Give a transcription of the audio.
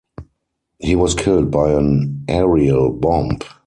He was killed by an aerial bomb.